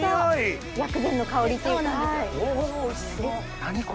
薬膳の香りっていうか。